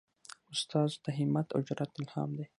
استاد د همت او جرئت الهام دی.